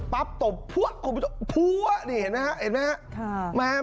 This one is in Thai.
ปั๊มตบพว๊ะคุณผู้ชมพว๊ะนี่เห็นไหมครับ